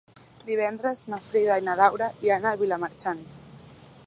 Divendres na Frida i na Laura iran a Vilamarxant.